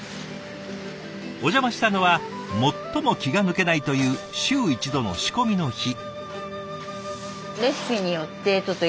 お邪魔したのは最も気が抜けないという週１度の仕込みの日。